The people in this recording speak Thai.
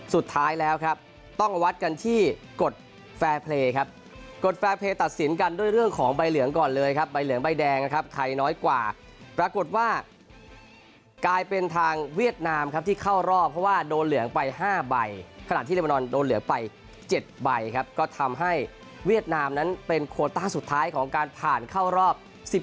สุดท้ายแล้วครับต้องวัดกันที่กดแฟร์เพลย์ครับกดแฟร์เพลย์ตัดสินกันด้วยเรื่องของใบเหลืองก่อนเลยครับใบเหลืองใบแดงนะครับไทยน้อยกว่าปรากฏว่ากลายเป็นทางเวียดนามครับที่เข้ารอบเพราะว่าโดนเหลืองไป๕ใบขณะที่เรมนอนโดนเหลืองไป๗ใบครับก็ทำให้เวียดนามนั้นเป็นโคต้าสุดท้ายของการผ่านเข้ารอบ๑๒